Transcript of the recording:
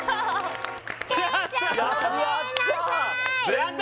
やった！